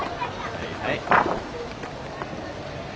はいはい。